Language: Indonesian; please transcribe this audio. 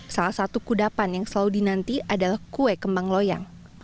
salah satu kudapan yang selalu dinanti adalah kue kembang loyang